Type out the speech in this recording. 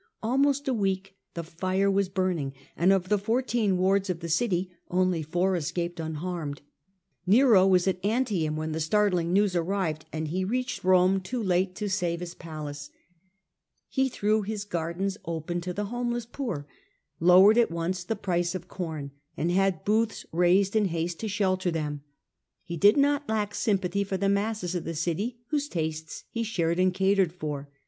Al most a week the fire was burning, and of the four teen wards of the city only four escaped un harmed. Nero was at Antium when the startling news arrived, and he reached Rome too late to save his A.D. 54 68. Nero. 109 palace. He threw his gardens open to the homeless poor, lowered at once the price of corn, and had booths raised in haste to shelter them. He did not lack sym pathy for the masses of the city, whose tastes he shared and catered for.